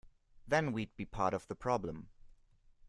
Then we’d be part of the problem.